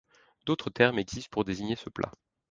D'autres termes existent pour désigner ce plat.